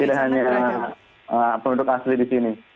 tidak hanya penduduk asli di sini